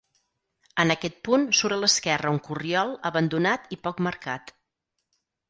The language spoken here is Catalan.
En aquest punt surt a l'esquerra un corriol abandonat i poc marcat.